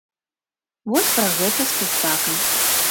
Вось пра гэта спектакль.